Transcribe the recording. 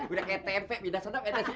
udah kayak tmp pindah sana pindah sini